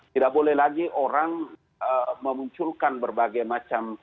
tidak boleh lagi orang memunculkan berbagai macam aksi aksi